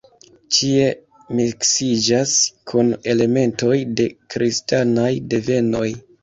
Ĉie miksiĝas kun elementoj de kristanaj devenoj.